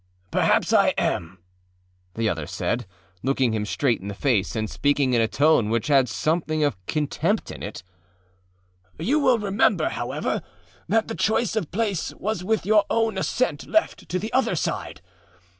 â âPerhaps I am,â the other said, looking him straight in the face and speaking in a tone which had something of contempt in it. âYou will remember, however, that the choice of place was with your own assent left to the other side.